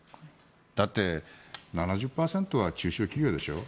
だって７０％は中小企業でしょ。